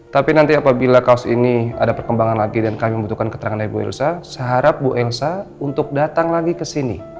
tapi nanti apabila kaos ini ada perkembangan lagi dan kami membutuhkan keterangan dari bu elsa saya harap bu elsa untuk datang lagi ke sini